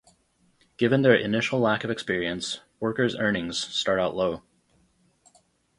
Given their initial lack of experience, workers' earnings start out low.